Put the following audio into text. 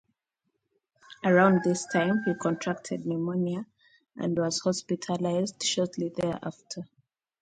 Around this time, he contracted pneumonia and was hospitalized shortly thereafter.